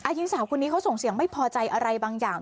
หญิงสาวคนนี้เขาส่งเสียงไม่พอใจอะไรบางอย่าง